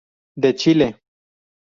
De Chile.